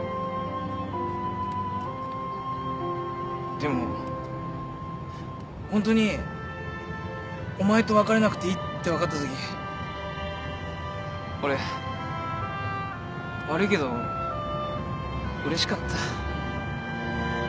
でもホントにお前と別れなくていいって分かったとき俺悪いけどうれしかった。